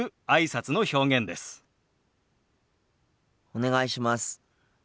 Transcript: お願いします。